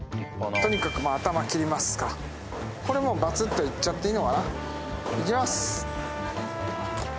とにかくまあ頭切りますかこれもうバツッといっちゃっていいのかないきます